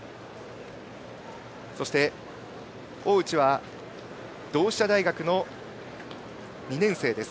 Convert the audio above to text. そして、大内は同志社大学の２年生です。